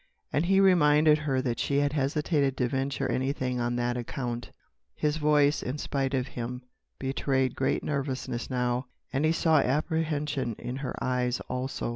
And he reminded her that she had hesitated to venture anything on that account. His voice, in spite of him, betrayed great nervousness now, and he saw apprehension in her eyes, also.